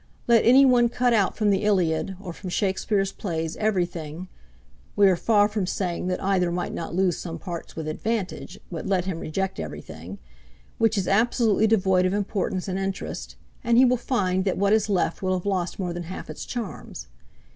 Let any one cut out from the "Iliad" or from Shakspeare's plays everything (we are far from saying that either might not lose some parts with advantage, but let him reject everything) which is absolutely devoid of importance and interest in itself; and he will find that what is left will have lost more than half its charms.